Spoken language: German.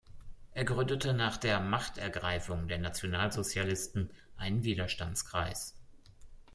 Er gründete nach der „Machtergreifung“ der Nationalsozialisten einen Widerstandskreis.